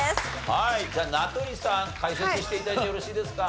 はいじゃあ名取さん解説して頂いてよろしいですか？